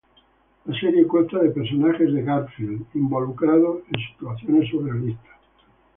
La serie consta de personajes de "Garfield" involucrados en situaciones surrealistas.